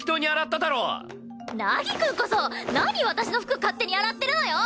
凪くんこそ何私の服勝手に洗ってるのよ！？